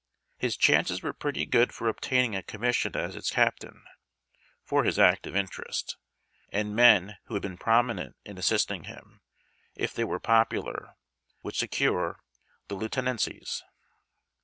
His chances were pretty good for obtaining a commission as its captain, for his active interest, and men wdio had been prominent in assisting him, if they were popular, would secure tlie lieu tenancies.